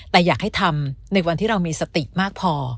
แต่อยากให้ทำในวันที่เรามีสติมากพอ